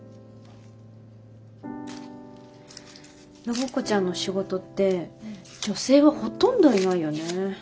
暢子ちゃんの仕事って女性はほとんどいないよね。